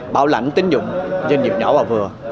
bảo lãnh tín dụng doanh nghiệp nhỏ và vừa